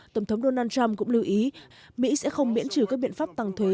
trump cũng lưu ý mỹ sẽ không miễn trừ các biện pháp tăng thuế